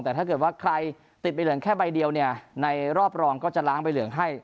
แต่ถ้าเกิดว่าใครติดใบเหลืองแค่ใบเดียวเนี่ยในรอบรองก็จะล้างใบเหลืองให้